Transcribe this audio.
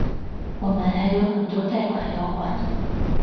我们还有很多贷款要还